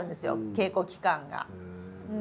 稽古期間が。